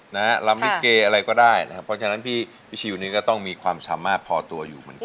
ลำลิเกอะไรก็ได้นะครับเพราะฉะนั้นพี่พี่ชิวนี่ก็ต้องมีความสามารถพอตัวอยู่เหมือนกัน